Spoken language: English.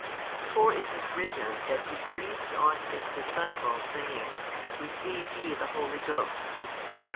For it is written |303 that He breathed on His disciples, saying, Receive ye the Holy Ghost.